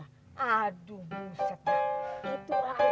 oh kenapa ada banyak ini